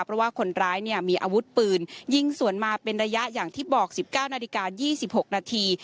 เพราะว่าคนร้ายเนี่ยมีอาวุธปืนยิงสวนมาเป็นระยะอย่างที่บอก๑๙นาฬิกา๒๖นาที